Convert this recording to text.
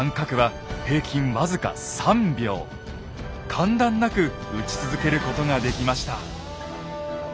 間断なく撃ち続けることができました。